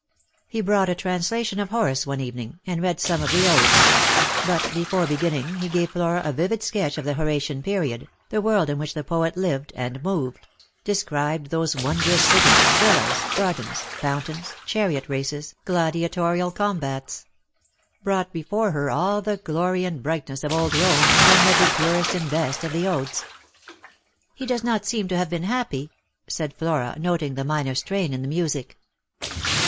He brought a translation of Horace one evening, and read some of the Odes ; but before beginning he gave Flora a vivid sketch of the Horatian period, the world in which the poet lived and moved; described those wondrous cities, villas, gardens, 204i Lost for Love. fountains, chariot races, gladiatorial combats ; brought before her all the glory and brightness of old Eome, and then read the purest and best of the Odes. " He does not seem to have been happy," said Flora, noting the minor strain in the music.